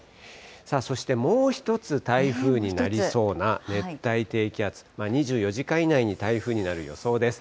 さあ、そしてもう一つ台風になりそうな熱帯低気圧、２４時間以内に台風になる予想です。